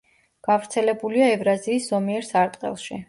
გავრცელებულია ევრაზიის ზომიერ სარტყელში.